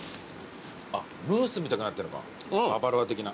あっムースみたくなってるのかババロア的な。